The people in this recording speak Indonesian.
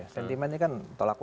sentimennya kan tolak ukur